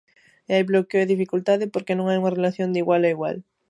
E hai bloqueo e dificultade porque non hai unha relación de igual a igual.